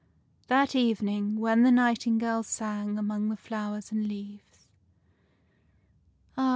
That evening, when the nightingale sang among the flowers and leaves, " Ah